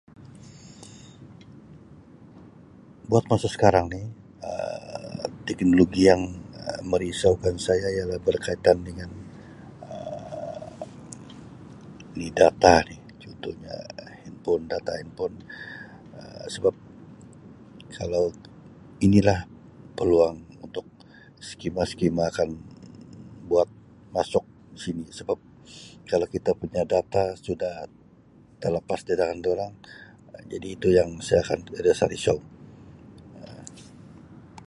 "Buat masa sekarang ni Um teknologi yang Um merisaukan saya ialah berkaitan dengan Um ni data ni contohnya ""handphone"" data ""handphone"" Um sebab kalau ini lah peluang untuk ""scammer-scammer"" akan buat masuk sini sebab kalau kita punya data sudah terlepas di tangan dorang jadi itu yang saya akan rasa risau Um. "